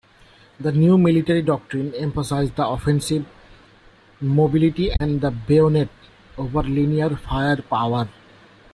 The new mililary doctrine emphasised the offensive, mobility and the bayonet, over linear firepower.